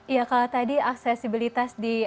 iya kalau tadi aksesibilitas di